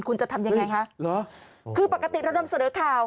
คุณจะทำอย่างไรฮะคือปกติเรากำลังเสริมข่าว